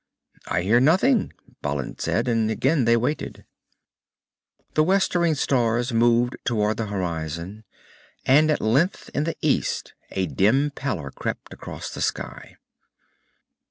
"I hear nothing," Balin said, and again they waited. The westering stars moved toward the horizon, and at length in the east a dim pallor crept across the sky.